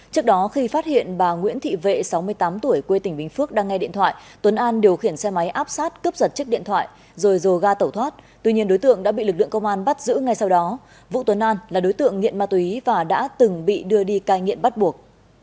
trước đó khi phát hiện bà nguyễn thị vệ sáu mươi tám tuổi quê tỉnh bình phước đang nghe điện thoại tuấn an điều khiển xe máy áp sát cướp giật chiếc điện thoại rồi rồ ga tẩu thoát tuy nhiên đối tượng đã bị lực lượng công an bắt giữ ngay sau đó vũ tuấn an là đối tượng nghiện ma túy và đã từng bị đưa đi cai nghiện bắt buộc